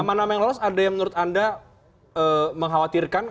nama nama yang lolos ada yang menurut anda mengkhawatirkan